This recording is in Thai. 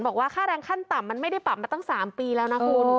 บอกว่าค่าแรงขั้นต่ำมันไม่ได้ปรับมาตั้ง๓ปีแล้วนะคุณ